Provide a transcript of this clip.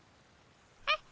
えっ。